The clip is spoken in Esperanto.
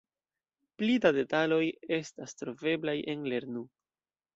Pli da detaloj estas troveblaj en lernu!